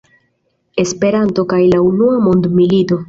Esperanto kaj la unua mondmilito.